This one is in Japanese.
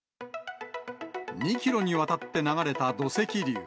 ２キロにわたって流れた土石流。